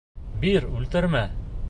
Бир, үлтермә.